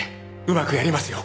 うまくやりますよ。